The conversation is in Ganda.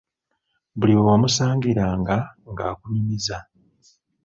Buli we wamusangiranga nga akunyumiza.